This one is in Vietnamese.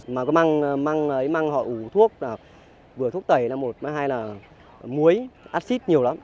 mà cái măng ấy măng họ ủ thuốc vừa thuốc tẩy là một mà hai là muối axit nhiều lắm